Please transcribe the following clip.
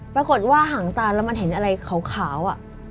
ปรากฏว่าห่างตาเรามันเห็นอะไรขาวอ่ะ